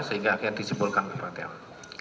sehingga akhirnya disimpulkan seperti apa